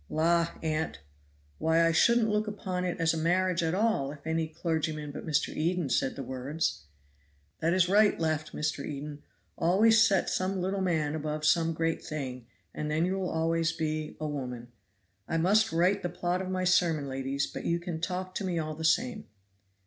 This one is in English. "La, aunt! why I shouldn't look upon it as a marriage at all if any clergyman but Mr. Eden said the words." "That is right," laughed Mr. Eden, "always set some little man above some great thing, and then you will always be a woman. I must write the plot of my sermon, ladies, but you can talk to me all the same."